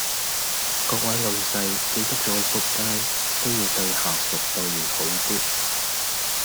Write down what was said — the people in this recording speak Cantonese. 各位老細記得再仆街都要對下屬待遇好啲